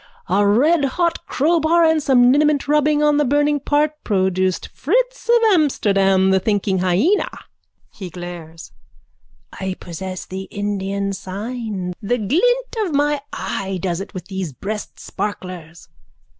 A redhot crowbar and some liniment rubbing on the burning part produced Fritz of Amsterdam, the thinking hyena. (He glares.) I possess the Indian sign. The glint of my eye does it with these breastsparklers.